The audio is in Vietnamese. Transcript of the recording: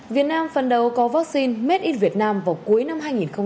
việt nam phần đầu có vaccine made in vietnam vào cuối năm hai nghìn hai mươi một